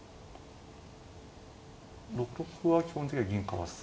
６六歩は基本的には銀かわす？